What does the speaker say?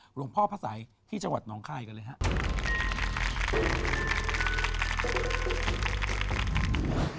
หลวงพ่อพระสัยที่จังหวัดหนองคายกันเลยครับ